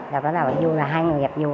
rồi bắt đầu vô là hai người gặp vô